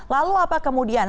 lalu apa kemudian